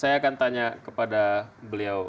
saya akan tanya kepada beliau